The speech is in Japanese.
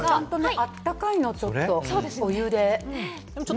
温かいの、ちょっとお湯で。